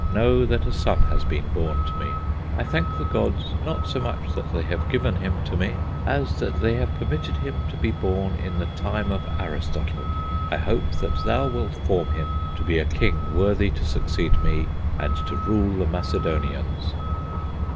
Know that a son has been born to me. I thank the gods not so much that they have given him to me, as that they have permitted him to be born in the time of Aristotle. I hope that thou wilt form him to be a king worthy to succeed me and to rule the Macedonians."